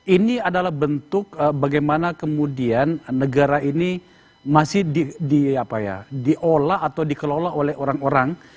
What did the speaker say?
ini adalah bentuk bagaimana kemudian negara ini masih diolah atau dikelola oleh orang orang